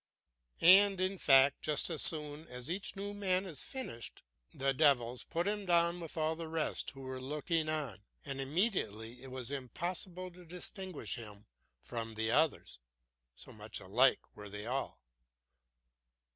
And in fact just as soon as each new man was finished, the devils put him down with all the rest who were looking on, and immediately it was impossible to distinguish him from the others, so much alike were they all.